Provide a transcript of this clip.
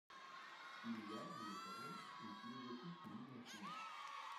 Il y a, nous le savons, une philosophie qui nie l’infini.